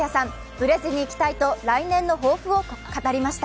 ぶれずにいきたいと来年の抱負を語りました。